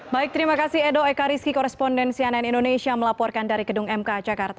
baik terima kasih edo ekariski korespondensi ann indonesia melaporkan dari gedung mk jakarta